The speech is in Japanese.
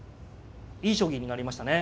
いい将棋になりましたね。